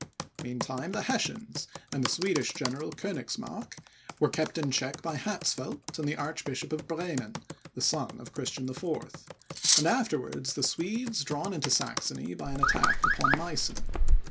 Meantime, the Hessians, and the Swedish General Koenigsmark, were kept in check by Hatzfeldt, and the Archbishop of Bremen, the son of Christian IV.; and afterwards the Swedes drawn into Saxony by an attack upon Meissen.